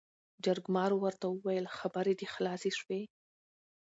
جرګمارو ورته وويل خبرې دې خلاصې شوې ؟